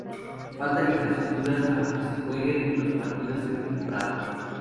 Faltan infraestructuras aunque se jueguen los partidos en El Prado.